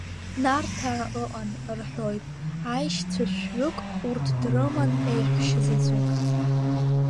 Нарҭаа ыҟан, — рҳәоит, аишьцәа шәҩык урҭ дрыман еиҳәшьа заҵәык.